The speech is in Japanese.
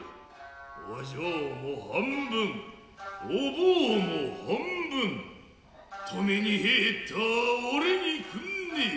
お嬢も半分お坊も半分留めに入った己にくんねえ。